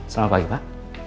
selamat pagi pak